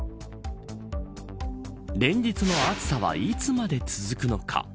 連日の暑さはいつまで続くのか。